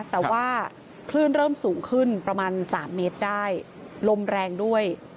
แต่ว่าคลื่นเริ่มสูงขึ้นประมาณ๓เมตรได้ลมแรงด้วย